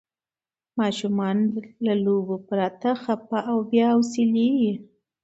ماشومان له لوبو پرته خفه او بې حوصله کېږي.